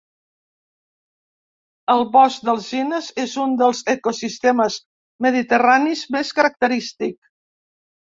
El bosc d'alzines és un dels ecosistemes mediterranis més característic.